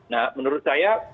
nah menurut saya